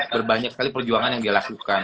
berbanyak sekali perjuangan yang dia lakukan